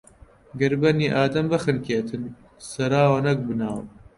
گەر بەنی ئادەم بخنکێتن، سەراوە نەک بناو